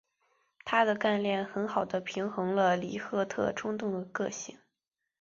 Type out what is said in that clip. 她的干练很好地平衡了里赫特冲动的个性。